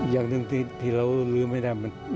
อย่างหนึ่งที่เราลื้อไม่ได้